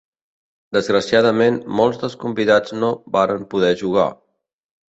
Desgraciadament, molts dels convidats no varen poder jugar.